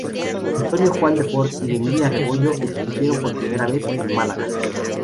Antonio Juan de Fort y Emilia Rebollo expusieron por primera vez en Málaga.